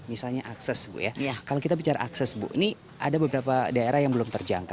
misalnya akses kalau kita bicara akses ini ada beberapa daerah yang belum terjangkau